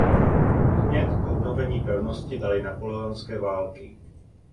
Podnět k obnovení pevnosti daly napoleonské války.